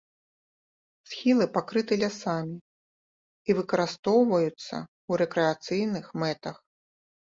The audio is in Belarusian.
Схілы пакрыты лясамі і выкарыстоўваюцца ў рэкрэацыйных мэтах.